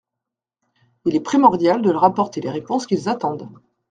Il est primordial de leur apporter les réponses qu’ils attendent.